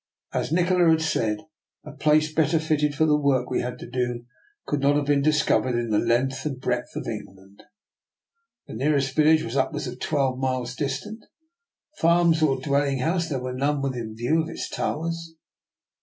As. Nikola had said, a place better fitted for the work we had to do could not have been discovered in the length and breadth of England. The nearest village was upwards of twelve miles distant; farms or dwelling houses there were none within view of its towers.